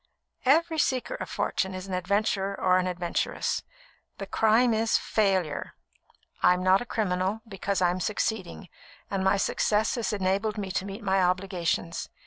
"Every seeker of fortune is an adventurer or an adventuress. The crime is, failure. I'm not a criminal, because I am succeeding, and my success has enabled me to meet my obligations.